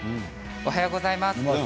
おはようございます。